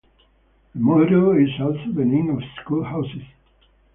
The motto is also the name of school houses.